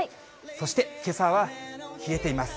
そしてけさは冷えています。